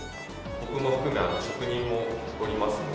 僕も含め職人もおりますので。